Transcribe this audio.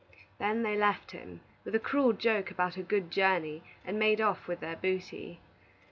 Then they left him, with a cruel joke about a good journey, and made off with their booty.